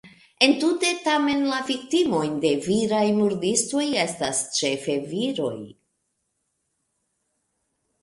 Entute tamen la viktimoj de viraj murdistoj estas ĉefe viroj.